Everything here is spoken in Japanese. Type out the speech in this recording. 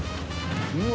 うわ。